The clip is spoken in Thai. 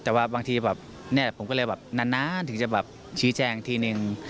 แต่ว่าบางทีผมก็เลยแบบนานถึงจะชี้แจงทีนึง